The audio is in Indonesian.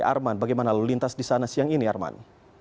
arman bagaimana lalu lintas di sana siang ini arman